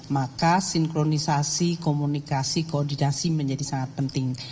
maka sinkronisasi komunikasi koordinasi menjadi sangat penting